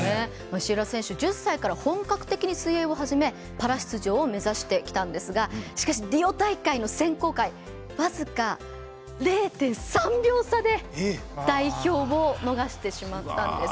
石浦選手、１０歳から本格的に水泳を始めパラ出場を目指してきたんですがしかし、リオ大会の選考会僅か０．３秒差で代表を逃してしまったんです。